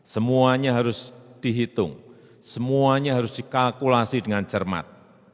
semuanya harus dihitung semuanya harus dikalkulasi dengan cermat